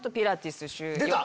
出た！